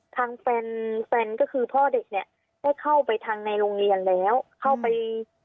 ทางแฟนแฟนก็คือพ่อเด็กเนี่ยได้เข้าไปทางในโรงเรียนแล้วเข้าไป